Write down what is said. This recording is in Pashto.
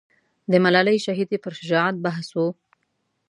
د ملالۍ شهیدې پر شجاعت بحث و.